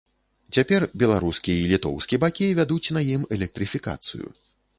Цяпер беларускі й літоўскі бакі вядуць на ім электрыфікацыю.